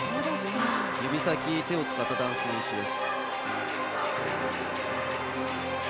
指先、手を使ったダンスの一種です。